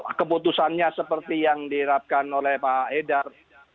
kalau keputusannya seperti yang diirapkan oleh pak edar